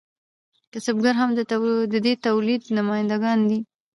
کسبګر هم د دې تولید نماینده ګان دي.